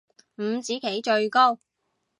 五子棋最高